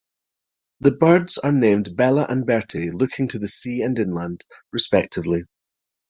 The birds are named Bella and Bertie, looking to the sea and inland, respectively.